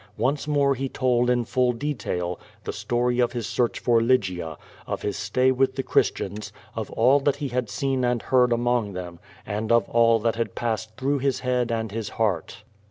Once more he told in full de tail the story of his search for Lygia, of his stay with the Christians, of all that he had seen and heard among them and of all that had passed through his head and his heart.